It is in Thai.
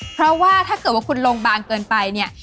เพราะว่าถ้าเกิดว่าคุณลงบางเกินไปเนี่ย